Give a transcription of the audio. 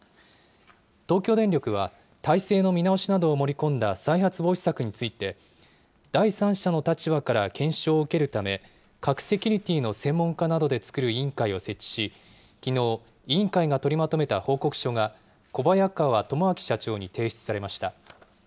東京電力は、体制の見直しなどを盛り込んだ再発防止策について、第三者の立場から検証を受けるため、核セキュリティの専門家などで作る委員会を設置し、きのう、委員会が取りまとめた報告書が、小早川智明社長に提出されました。